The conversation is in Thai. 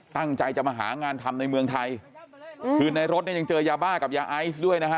ตั้งใจจะมาหางานทำในเมืองไทยคือในรถเนี่ยยังเจอยาบ้ากับยาไอซ์ด้วยนะฮะ